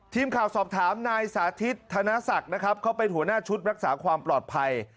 ทีมข่าวสอบถามนายสาธิตธนศักดิ์นะครับเขาเป็นหัวหน้าชุดรักษาความปลอดภัย